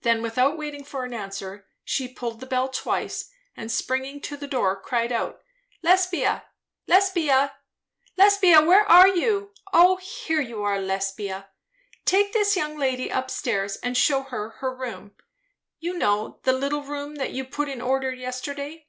Then without waiting for an answer, she pulled the bell twice, and springing to the door cried out, "Lesbia! Lesbia! Lesbia, where are you? O here you are. Lesbia, take this young lady up stairs and shew her her room you know, the little room that you put in order yesterday.